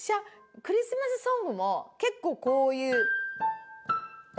クリスマスソングも結構、こういう。